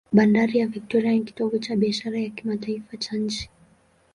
Bandari ya Victoria ni kitovu cha biashara ya kimataifa cha nchi.